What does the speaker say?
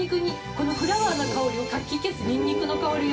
このフラワーな香りをかき消すにんにくの香りが。